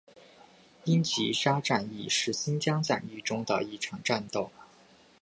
英吉沙战役是新疆战争中的一场战斗。